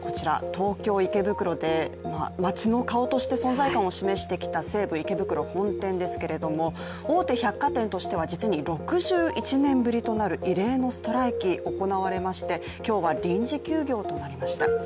東京・池袋で街の顔として存在感を示していた西武池袋本店ですけれども大手百貨店としては実に６１年ぶりとなる異例のストライキが行われまして、今日は臨時休業となりました。